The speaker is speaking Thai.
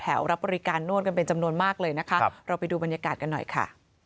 รับบริการนวดกันเป็นจำนวนมากเลยนะคะเราไปดูบรรยากาศกันหน่อยค่ะ